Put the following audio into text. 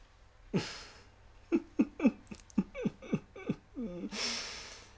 フフフフ。